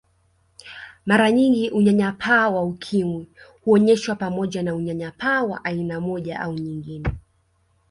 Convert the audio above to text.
Mara nyingi unyanyapaa wa Ukimwi huonyeshwa pamoja na unyanyapaa wa aina moja au nyingine